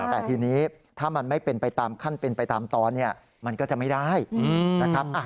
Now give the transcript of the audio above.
แต่ทีนี้ถ้ามันไม่เป็นไปตามขั้นเป็นไปตามตอนเนี่ยมันก็จะไม่ได้นะครับ